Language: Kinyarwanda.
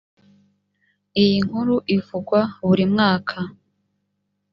iyinkuru ivugwa burimwaka.